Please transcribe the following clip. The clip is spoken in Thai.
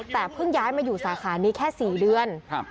แต่เพิ่งย้ายมาอยู่สาขานี้แค่๔เดือน